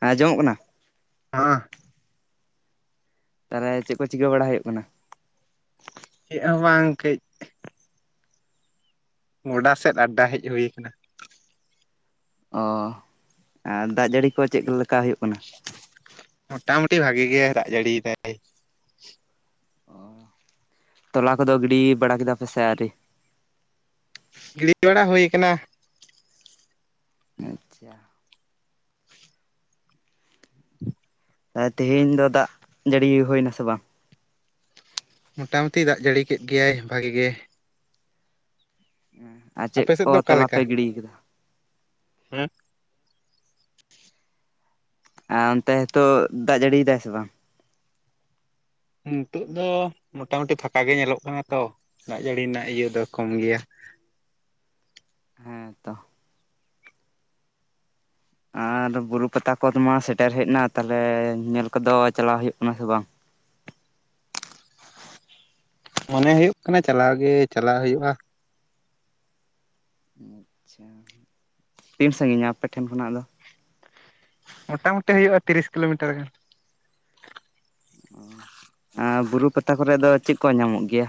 ᱦᱮᱸ ᱟᱸᱡᱚᱢᱚᱜ ᱠᱟᱱᱟ᱾ ᱦᱟᱸ ᱛᱟᱞᱦᱮ ᱪᱮᱫ ᱠᱚ ᱪᱤᱠᱟᱹ ᱵᱟᱲᱟᱭ ᱦᱩᱭᱩᱜ ᱠᱟᱱᱟ? ᱪᱮᱫ ᱦᱚᱸ ᱵᱟᱝ ᱠᱟᱹᱡᱽᱼᱼ ᱜᱚᱰᱟ ᱥᱮᱫ ᱟᱰᱰᱟ ᱦᱮᱡ ᱦᱩᱭ ᱠᱟᱱᱟ᱾ ᱚ ᱸ ᱟᱨ ᱫᱟᱜ ᱡᱟᱹᱲᱤ ᱠᱚ ᱪᱮᱫ ᱞᱮᱠᱟ ᱦᱩᱭᱩᱜ ᱠᱟᱱᱟ᱾ [inaudible] ᱢᱚᱴᱟ ᱢᱩᱩᱴᱤ ᱵᱷᱟᱜᱤ ᱜᱮ ᱨᱟᱜ ᱡᱟᱹᱲᱤᱭ ᱫᱟᱭ ᱛᱚᱞᱟ ᱠᱚᱫᱚ ᱜᱤᱰᱤ ᱵᱟᱲᱟ ᱠᱮᱫᱟ ᱯᱮ ᱥᱮ ᱟᱹᱣᱨᱤ? ᱜᱤᱲᱤ ᱵᱟᱲᱟ ᱦᱩᱭ ᱠᱟᱱᱟ᱾ ᱟᱪᱪᱷᱟ ᱟᱸ ᱛᱮᱦᱮᱧ ᱫᱚ ᱫᱟᱜ ᱡᱟᱹᱲᱤ ᱦᱩᱭᱱᱟ ᱥᱮ ᱵᱟᱝ? ᱢᱚᱴᱟᱢᱩᱴᱤ ᱫᱟᱜ ᱡᱟᱹᱲᱤ ᱠᱮᱫ ᱜᱮᱭᱟᱭ ᱵᱷᱟᱜᱤ ᱜᱮ ᱟᱨ ᱪᱮᱫ ᱟᱯᱮ ᱥᱮᱫ ᱠᱚ ᱫᱚ ᱛᱚᱞᱟ ᱯᱮ ᱚᱠᱟᱞᱮᱠᱟ ᱜᱤᱰᱤ ᱟᱠᱟᱫᱟ᱾ ᱦᱮᱸ ᱟᱨ ᱚᱱᱛᱮ ᱦᱮᱛᱚᱜ ᱫᱟᱜ ᱡᱟᱹᱲᱤᱭᱮᱫᱟᱭ ᱥᱮ ᱵᱟᱝ ᱱᱤᱛᱳᱜ ᱫᱚ ᱢᱚᱴᱟ ᱢᱩᱴᱤ ᱯᱷᱟᱠᱟ ᱜᱮ ᱧᱮᱞᱚᱜ ᱠᱟᱱᱟ ᱛᱚ ᱫᱟᱜ ᱡᱟᱹᱲᱤ ᱨᱮᱱᱟᱜ ᱤᱭᱟᱹ ᱫᱚ ᱠᱚᱢ ᱜᱮᱭᱟ᱾ ᱦᱮᱸ ᱛᱚ ᱟᱨ ᱵᱩᱨᱩ ᱯᱟᱛᱟ ᱠᱚ ᱢᱟ ᱥᱮᱴᱮᱨ ᱦᱮᱡ ᱮᱱᱟ ᱛᱟᱦᱚᱞᱮ ᱧᱮᱞ ᱠᱚᱫᱚ ᱪᱟᱞᱟᱣ ᱦᱩᱭᱩᱜ ᱠᱟᱱᱟ ᱥᱮ ᱵᱟᱝ? ᱢᱚᱱᱮ ᱦᱩᱭᱩᱜ ᱠᱟᱱᱟ ᱪᱟᱞᱟᱣ ᱜᱮ ᱪᱟᱞᱟᱜ ᱦᱩᱭᱩᱜᱼᱟ᱾ ᱟᱪᱪᱷᱟ ᱛᱤᱱ ᱥᱟᱺᱜᱤᱧᱟ ᱟᱯᱮᱴᱷᱮᱱ ᱠᱷᱚᱱᱟᱜ ᱫᱚ᱾ ᱢᱚᱴᱟᱢᱩᱴᱤ ᱦᱩᱭᱩᱜᱼᱟ ᱛᱤᱨᱤᱥ ᱠᱤᱞᱳᱢᱤᱴᱟᱨ ᱜᱟᱱ ᱵᱩᱨᱩ ᱯᱟᱛᱟ ᱠᱚᱨᱮ ᱫᱚ ᱪᱮᱫ ᱠᱚ ᱧᱟᱢᱚᱜ ᱜᱮᱭᱟ᱾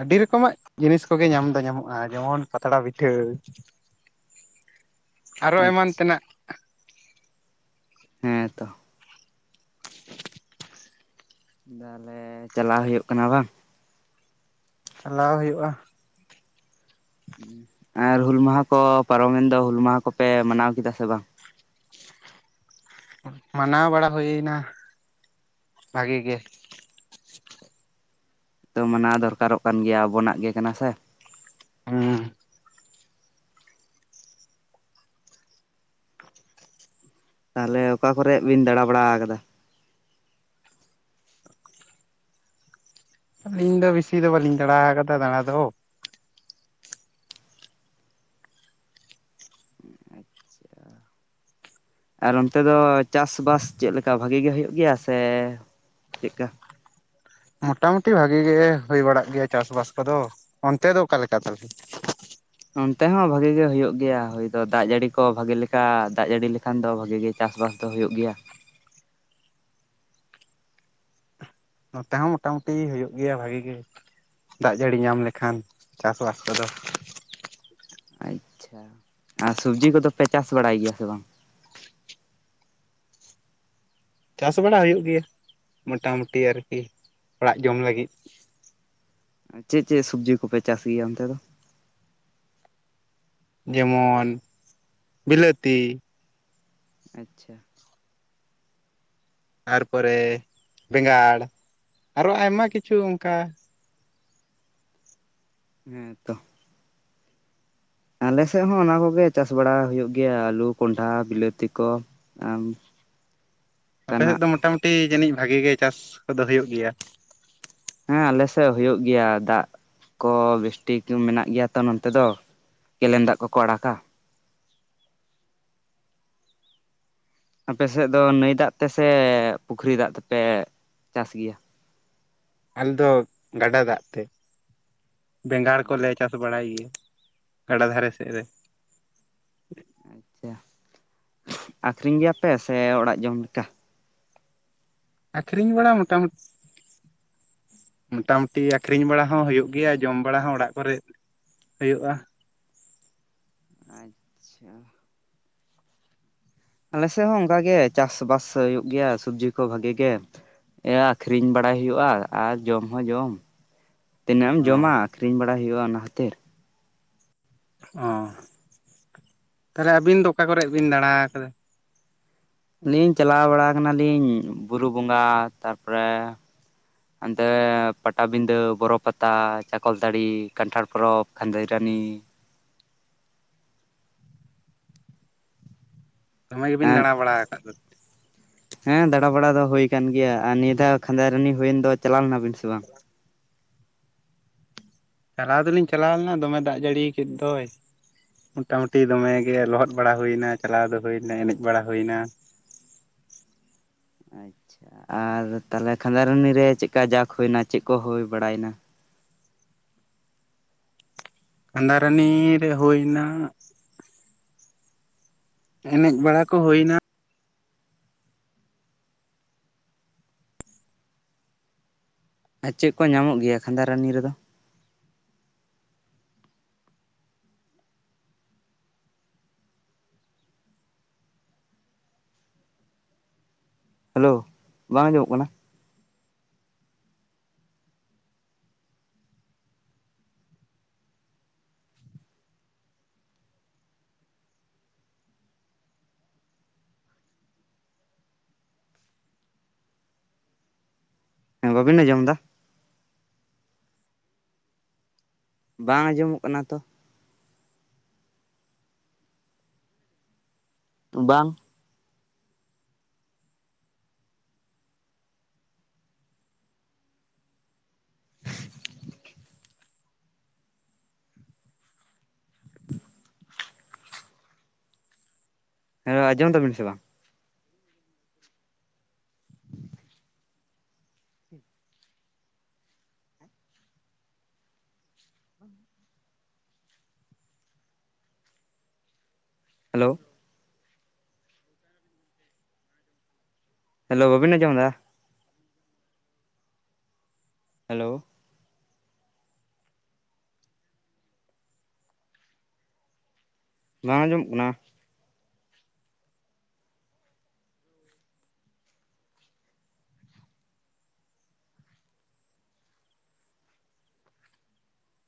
ᱟᱹᱰᱤ ᱨᱚᱠᱚᱢᱟᱜ ᱡᱤᱱᱤᱥ ᱠᱚᱜᱮ ᱧᱟᱢ ᱫᱚ ᱧᱟᱢᱚᱜᱼᱟ ᱡᱮᱢᱚᱱ ᱯᱟᱛᱲᱟ ᱯᱤᱴᱷᱟᱹ ᱟᱨ ᱦᱚᱸ ᱮᱢᱟᱱ ᱟᱪᱪᱷᱟ ᱛᱮᱱᱟᱜ ᱦᱮᱸ ᱛᱚ ᱛᱟᱦᱞᱮ ᱪᱟᱞᱟᱣ ᱦᱩᱭᱩᱜ ᱠᱟᱱᱟ ᱵᱟᱝ? ᱪᱟᱞᱟᱣ ᱦᱩᱭᱩᱜᱼᱟ᱾ ᱟᱨ ᱦᱩᱞ ᱢᱟᱦᱟ ᱠᱚ ᱯᱟᱨᱚᱢᱮᱱ ᱫᱚ ᱦᱩᱞ ᱢᱟᱦᱟ ᱠᱚᱯᱮ ᱢᱟᱱᱟᱣ ᱠᱮᱫᱟ ᱥᱮ ᱵᱟᱝ? ᱢᱟᱱᱟᱣ ᱵᱟᱲᱟ ᱦᱩᱭᱱᱟ ᱵᱷᱟᱜᱮ ᱜᱮ? ᱛᱚ ᱢᱟᱱᱟ ᱫᱚᱨᱠᱟᱨᱚᱜ ᱠᱟᱱ ᱜᱮᱭᱟ ᱟᱵᱚᱱᱟᱜ ᱜᱮ ᱠᱟᱱᱟ ᱥᱮ ᱦᱩᱸ ᱛᱟᱦᱚᱞᱮ ᱚᱠᱟ ᱠᱚᱨᱮ ᱵᱤᱱ ᱫᱟᱬᱟ ᱵᱟᱲᱟ ᱟᱠᱟᱫᱟ᱾ ᱟᱹᱞᱤᱧ ᱫᱚ ᱵᱮᱥᱤ ᱫᱚ ᱵᱟᱹᱞᱤᱧ ᱫᱟᱬᱟ ᱟᱠᱟᱫᱟ ᱫᱟᱬᱟ ᱫᱚ [unintelligible] ᱟᱨ ᱚᱱᱛᱮ ᱫᱚ ᱪᱟᱥ ᱵᱟᱥ ᱪᱮᱫ ᱞᱮᱠᱟ ᱵᱷᱟᱜᱮ ᱜᱮ ᱦᱩᱭᱩᱜ ᱜᱮᱭᱟ ᱥᱮ ᱪᱮᱫᱠᱟ᱾ ᱢᱚᱴᱟ ᱢᱩᱴᱤ ᱵᱷᱟᱜᱮ ᱜᱮ ᱦᱩᱭ ᱵᱟᱲᱟᱜ ᱜᱮᱭᱟ ᱪᱟᱥ ᱵᱟᱥ ᱠᱚᱫᱚ ᱚᱱᱛᱮ ᱫᱚ ᱚᱠᱟᱞᱮᱠᱟ ᱛᱟᱞᱮ᱾ ᱚᱱᱛᱮ ᱦᱚᱸ ᱵᱷᱟᱜᱮ ᱜᱮ ᱦᱩᱭᱩᱜ ᱜᱮᱭᱟ ᱦᱩᱭ ᱫᱚ ᱫᱟᱜ ᱡᱟᱹᱲᱤ ᱠᱚ ᱵᱷᱟᱜᱮ ᱞᱮᱠᱟ ᱫᱟᱜ ᱡᱟᱹᱲᱤ ᱞᱮᱠᱷᱟᱱ ᱫᱚ ᱵᱷᱟᱜᱤ ᱜᱮ ᱪᱟᱥᱵᱟᱥ ᱫᱚ ᱦᱩᱭᱩᱜ ᱜᱮᱭᱟ᱾ ᱱᱚᱛᱮ ᱦᱚᱸ ᱢᱚᱴᱟ ᱢᱩᱴᱤ ᱦᱩᱭᱩᱜ ᱜᱮᱭᱟ, ᱵᱷᱟᱹᱜᱤ ᱜᱮ᱾ ᱫᱟᱜ ᱡᱟᱹᱲᱤ ᱧᱟᱢ ᱞᱮᱠᱷᱟᱱ ᱪᱟᱥ ᱵᱟᱥ ᱠᱚᱫᱚ ᱟᱪᱪᱷᱟ ᱟᱨ ᱥᱚᱵᱽᱡᱤ ᱠᱚᱫᱚ ᱯᱮ ᱪᱟᱥ ᱵᱟᱲᱟᱭ ᱜᱮᱭᱟ ᱥᱮ ᱵᱟᱝ? ᱪᱟᱥ ᱵᱟᱲᱟ ᱦᱩᱭᱩᱜ ᱜᱮᱭᱟ᱾ ᱢᱚᱴᱟ ᱢᱩᱴᱤ ᱟᱨᱠᱤ ᱚᱲᱟᱜ ᱡᱚᱢ ᱞᱟᱹᱜᱤᱫ ᱪᱮᱫ ᱪᱮᱫ ᱥᱚᱵᱽᱡᱤ ᱠᱚᱯᱮ ᱪᱟᱥ ᱜᱮᱭᱟ ᱚᱱᱛᱮ ᱫᱚ? ᱡᱮᱢᱚᱱ ᱵᱤᱞᱟᱹᱛᱤ, ᱟᱪᱪᱷᱟ᱾ ᱛᱟᱨᱯᱚᱨᱮ ᱵᱮᱸᱜᱟᱲ ᱟᱨᱚ ᱟᱭᱢᱟ ᱠᱤᱪᱷᱩ ᱚᱱᱠᱟ ᱦᱮᱸ, ᱛᱚ᱾ ᱟᱞᱮ ᱥᱮᱫ ᱦᱚᱸ ᱚᱱᱟ ᱠᱚᱜᱮ ᱪᱟᱥ ᱵᱟᱲᱟ ᱦᱩᱭᱩᱜ ᱜᱮᱭᱟ᱾ ᱟᱞᱩ ᱠᱚᱱᱰᱷᱟ ᱵᱤᱞᱟᱹᱛᱤ ᱠᱚ ᱟᱨ [inaudible] ᱟᱯᱮ ᱥᱮᱫ ᱫᱚ ᱢᱚᱴᱟ-ᱢᱩᱴᱤ ᱡᱟᱹᱱᱤᱡ ᱵᱷᱟᱹᱜᱤ ᱜᱮ ᱪᱟᱥ ᱠᱚᱫᱚ ᱦᱩᱭᱩᱜ ᱜᱮᱭᱟ᱾ ᱦᱮᱸ ᱟᱞᱮ ᱥᱮᱫ ᱦᱩᱭᱩᱜ ᱜᱮᱭᱟ᱾ ᱫᱟᱜ ᱠᱚ ᱵᱮᱥᱴᱷᱤᱠ ᱢᱮᱱᱟᱜ ᱜᱮᱭᱟ ᱛᱚ, ᱱᱚᱱᱚᱛᱮ ᱫᱚ? ᱠᱮᱞᱮᱱ ᱫᱟᱜ ᱠᱚᱠᱚ ᱟᱲᱟᱜᱟ᱾ ᱟᱯᱮᱥᱮᱫ ᱫᱚ ᱱᱟᱹᱭ ᱫᱟᱜ ᱛᱮᱥᱮ ᱯᱩᱠᱷᱚᱨᱤ ᱫᱟᱜ ᱛᱮᱯᱮ ᱪᱟᱥ ᱜᱮᱭᱟ? ᱟᱞᱮ ᱫᱚ ᱜᱟᱰᱟ ᱫᱟᱜ ᱛᱮ ᱵᱮᱸᱜᱟᱲ ᱠᱚᱞᱮ ᱪᱟᱥ ᱵᱟᱲᱟᱭ ᱜᱮᱭᱟ᱾ ᱜᱟᱰᱟ ᱫᱷᱟᱨᱮ ᱥᱮᱫ ᱨᱮ᱾ ᱟᱹᱠᱷᱚᱨᱤᱧ ᱜᱮᱭᱟᱯᱮ ᱥᱮ ᱚᱲᱟᱜ ᱡᱚᱢ ᱞᱮᱠᱟ? ᱟᱹᱠᱷᱨᱤᱧ ᱵᱟᱲᱟ ᱢᱚᱴᱟ-ᱢᱩᱴᱤ ᱢᱚᱴᱟ ᱢᱩᱴᱤ ᱟᱹᱠᱷᱚᱨᱤᱧ ᱵᱟᱲᱟ ᱦᱚᱸ ᱦᱩᱭᱩᱜ ᱜᱮᱭᱟ᱾ ᱡᱚᱢ ᱵᱟᱲᱟ ᱦᱚᱸ ᱚᱲᱟᱜ ᱠᱚᱨᱮ ᱦᱩᱭᱩᱜᱼᱟ᱾ ᱟᱪᱪᱷᱟ᱾ ᱟᱞᱮ ᱥᱮᱫ ᱦᱚᱸ ᱚᱱᱠᱟ ᱜᱮ ᱪᱟᱥ-ᱵᱟᱥ ᱦᱩᱭᱩᱜ ᱜᱮᱭᱟ᱾ ᱥᱚᱵᱽᱡᱤ ᱠᱚ ᱵᱷᱟᱹᱜᱤ ᱜᱮ᱾ ᱮᱸ ᱟᱹᱠᱷᱨᱤᱧ ᱵᱟᱲᱟᱭ ᱦᱩᱭᱩᱜᱼᱟ ᱟᱨ ᱡᱚᱢ ᱦᱚᱸ ᱡᱚᱢ᱾ ᱛᱤᱱᱟᱹᱜ ᱮᱢ ᱚ ᱡᱚᱢᱟ ᱟᱹᱠᱷᱨᱤᱧ ᱵᱟᱲᱟ ᱦᱩᱭᱩᱜᱼᱟ, ᱚᱱᱟ ᱠᱷᱟᱹᱛᱤᱨ᱾ ᱚᱸᱻ ᱛᱟᱦᱚᱞᱮ ᱟᱹᱵᱤᱱ ᱫᱚ ᱚᱠᱟ ᱠᱚᱨᱮ ᱵᱤᱱ ᱫᱟᱬᱟ ᱟᱠᱟᱫᱟ? ᱟᱹᱞᱤᱧ ᱪᱟᱞᱟᱣ ᱵᱟᱲᱟ ᱟᱠᱟᱱ ᱟᱞᱤᱧ ᱵᱩᱨᱩ ᱵᱚᱸᱜᱟ ᱛᱟᱨᱯᱚᱨᱮ ᱚᱱᱛᱮ ᱯᱟᱴᱟᱵᱤᱸᱫᱟᱹ, ᱵᱚᱨᱚ ᱯᱟᱛᱟ, ᱪᱟᱠᱚᱞ ᱛᱟᱹᱲᱤ, ᱠᱟᱱᱴᱷᱟᱲ ᱯᱚᱨᱚᱵᱽ, ᱠᱷᱟᱱᱫᱚᱭ ᱨᱟᱱᱤ᱾ ᱫᱚᱢᱮ ᱜᱮᱵᱤᱱ ᱦᱮᱸ ᱫᱟᱬᱟ ᱵᱟᱲᱟ ᱟᱠᱟᱫ ᱫᱚ᱾ ᱦᱮᱸ ᱫᱟᱬᱟ ᱵᱟᱲᱟ ᱫᱚ ᱦᱩᱭ ᱟᱠᱟᱱᱟ ᱜᱮᱭᱟ ᱟᱨ ᱱᱤᱭᱟᱹ ᱫᱷᱟᱣ ᱠᱷᱟᱸᱫᱟᱭᱨᱟᱱᱤ ᱦᱩᱭᱮᱱ ᱫᱚ ᱪᱟᱞᱟᱣ ᱞᱮᱱᱟ ᱵᱤᱱ ᱥᱮ ᱵᱟᱝ? [inaudible] ᱪᱟᱞᱟᱣ ᱫᱚᱞᱤᱧ ᱪᱟᱞᱟᱣ ᱞᱮᱱᱟ, ᱫᱚᱢᱮ ᱫᱟᱜ ᱡᱟᱹᱲᱤ ᱠᱮᱫ ᱫᱚᱭ᱾ ᱢᱚᱴᱟᱼᱢᱩᱴᱤ ᱫᱚᱢᱮ ᱜᱮ ᱞᱚᱦᱚᱫ ᱵᱟᱲᱟ ᱦᱩᱭᱱᱟ᱾ ᱪᱟᱞᱟᱣ ᱫᱚ ᱦᱩᱭᱱᱟ ᱮᱱᱮᱡ ᱵᱟᱲᱟ ᱦᱩᱭ ᱮᱱᱟ᱾ ᱟᱪᱪᱷᱟ ᱟᱨ ᱛᱟᱦᱞᱮ ᱠᱷᱟᱸᱫᱟᱭᱨᱟᱱᱤ ᱨᱮ ᱪᱮᱫᱠᱟ ᱡᱟᱠ ᱦᱩᱭᱮᱱᱟ ᱪᱮᱫ ᱠᱚ ᱦᱩᱭ ᱵᱟᱲᱟᱭ ᱮᱱᱟ? ᱠᱟᱸᱫᱷᱟ ᱨᱟᱱᱤ ᱨᱮ ᱦᱩᱭ ᱮᱱᱟ᱾ ᱮᱱᱮᱡ ᱵᱟᱲᱟ ᱠᱚ ᱦᱩᱭ ᱮᱱᱟ᱾ ᱟᱨ ᱪᱮᱫ ᱠᱚ ᱧᱟᱢᱚᱜ ᱜᱮᱭᱟ, ᱠᱷᱟᱸᱫᱟ ᱨᱟᱱᱤ ᱨᱮᱫᱚ? ᱦᱮᱞᱳ, ᱵᱟᱝ ᱟᱸᱡᱚᱢᱚᱜ ᱠᱟᱱᱟ? ᱦᱮᱸ, ᱵᱟᱹᱵᱤᱱ ᱟᱸᱡᱚᱢ ᱮᱫᱟ? ᱵᱟᱝ ᱟᱸᱡᱚᱢᱚᱜ ᱠᱟᱱᱟ ᱛᱚ᱾ ᱵᱟᱝ? ᱦᱮᱞᱳ, ᱟᱸᱡᱚᱢ ᱫᱟ ᱟᱵᱤᱱ ᱥᱮ ᱵᱟᱝ? ᱦᱮᱞᱳ? ᱦᱮᱞᱳ, ᱵᱟᱹᱵᱤᱱ ᱟᱸᱡᱚᱢ ᱮᱫᱟ? ᱦᱮᱞᱳ ᱵᱟᱝ ᱟᱸᱡᱚᱢᱚᱜ ᱠᱟᱱᱟ?